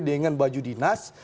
dengan baju dinas